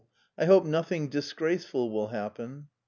I hope nothing disgraceful will happen.'